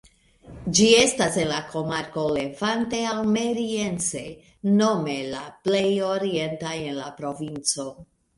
Ĝi estas en la komarko "Levante Almeriense" nome la plej orienta en la provinco.